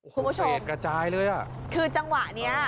คุณผู้ชมกระจายเลยอ่ะคือจังหวะเนี้ย